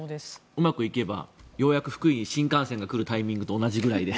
うまくいけばようやく福井に新幹線が来るタイミングと同じぐらいで。